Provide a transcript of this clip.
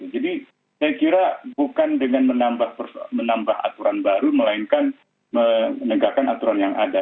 jadi saya kira bukan dengan menambah aturan baru melainkan menegakkan aturan yang ada